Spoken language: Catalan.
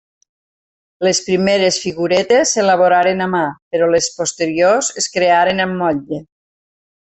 Les primeres figuretes s'elaboraren a mà, però les posteriors es crearen amb motlle.